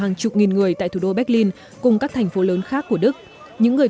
hàng chục nghìn người tại thủ đô berlin cùng các thành phố lớn khác của đức những người